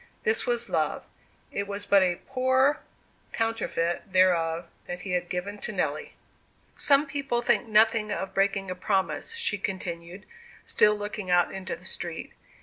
This was love. It was but a poor counterfeit thereof that he had given to Nelly. "Some people think nothing of breaking a promise," she continued, still looking out into the street.